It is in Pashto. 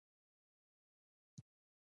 آیا پغمان لا هم ښکلی دی؟